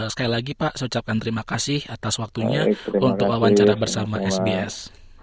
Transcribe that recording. sekali lagi pak saya ucapkan terima kasih atas waktunya untuk wawancara bersama sbs